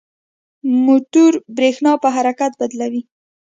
موټور برېښنا په حرکت بدلوي.